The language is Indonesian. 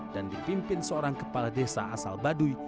dan dipimpin seorang kepala desa asal baduy